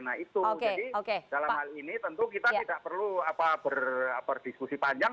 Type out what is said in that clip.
jadi dalam hal ini tentu kita tidak perlu berdiskusi panjang